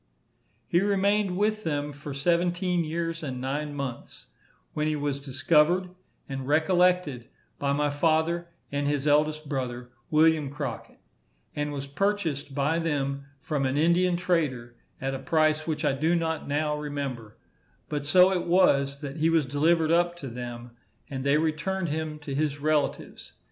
He remained with them for seventeen years and nine months, when he was discovered and recollected by my father and his eldest brother, William Crockett; and was purchased by them from an Indian trader, at a price which I do not now remember; but so it was, that he was delivered up to them, and they returned him to his relatives.